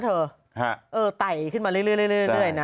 ครับต่ายขึ้นมาเรื่อย